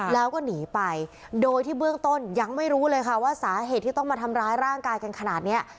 แล้วก็หนีไปโดยที่เบื้องต้นยังไม่รู้เลยค่ะว่าสาเหตุที่ต้องมาทำร้ายร่างกายกันขนาดเนี้ย